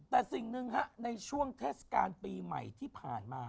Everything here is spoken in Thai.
แต่สิ่งหนึ่งในช่วงเทศกาลปีใหม่ที่ผ่านมา